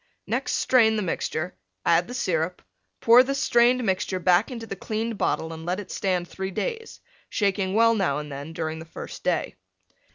Next strain, the mixture, add the Syrup, pour the strained mixture back into the cleaned bottle and let it stand 3 days, shaking well now and then during the first day.